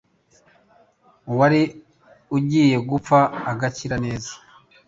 uwari ugiye gupfa agakira neza.